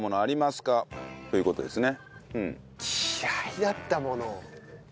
嫌いだったもの。